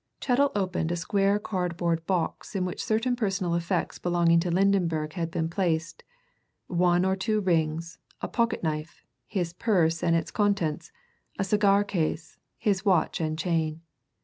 Chettle opened a square cardboard box in which certain personal effects belonging to Lydenberg had been placed one or two rings, a pocket knife, his purse and its contents, a cigar case, his watch and chain.